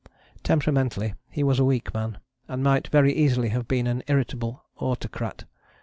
Temperamentally he was a weak man, and might very easily have been an irritable autocrat.